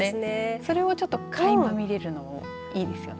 それもちょっとかいま見れるのもいいですよね。